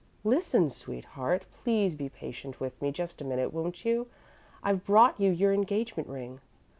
"Listen, sweetheart. Please be patient with me just a minute, won't you? I've brought you your engagement ring."